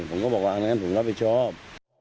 ผมก็บอกว่างั้นผมรับผิดชอบ